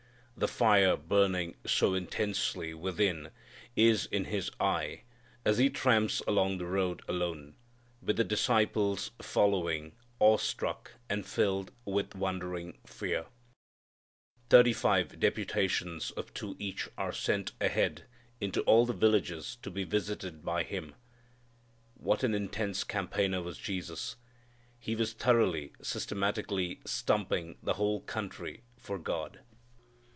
The fire burning so intensely within is in His eye as He tramps along the road alone, with the disciples following, awestruck and filled with wondering fear. Thirty five deputations of two each are sent ahead into all the villages to be visited by Him. What an intense campaigner was Jesus! He was thoroughly, systematically stumping the whole country for God.